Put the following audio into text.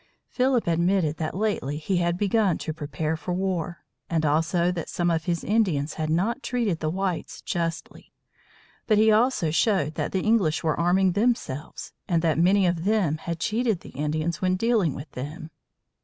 Philip admitted that lately he had begun to prepare for war, and also that some of his Indians had not treated the whites justly. But he also showed that the English were arming themselves, and that many of them had cheated the Indians when dealing with them.